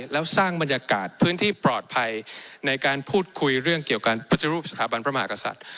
แล้วสร้างบรรยากาศพื้นที่ปลอดภัยในการพูดคุยเรื่องเกี่ยวกับการปฏิรูปสถาบันพระมหากษัตริย์